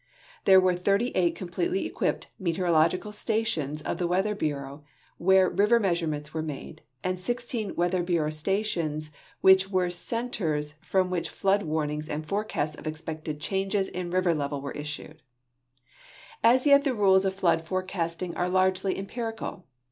There Avere 38 completely equipped meteorological stations of the Weather Bureau Avhere riA'er measurements Avere made, and 16 Weather Bureau stations Avhich Avere centers from Avhich flood Avarnings and forecasts of ex{)ected changes in river level Avere issued. As yet the rules of flood forecasting are largely empirical.